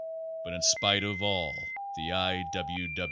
But in spite of all the I. W.